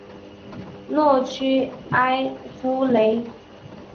洛屈埃夫雷。